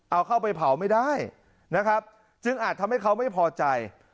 เอาเข้าไปเผาไม่ได้นะครับจึงอาจทำให้เขาไม่พอใจ